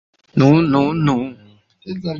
Nu, nu, nu!